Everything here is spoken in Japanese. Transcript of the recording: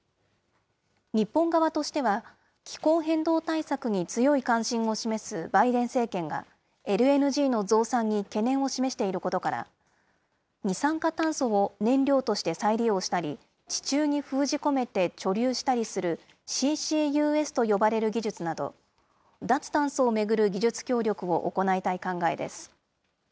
日本側としては、気候変動対策に強い関心を示すバイデン政権が、ＬＮＧの増産に懸念を示していることから、二酸化炭素を燃料として再利用したり、地中に封じ込めて貯留したりする、ＣＣＵＳと呼ばれる技術など、脱炭素を巡る技術協力を行いたい考えです。